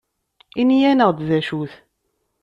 Ini-aneɣ-d d acu-t.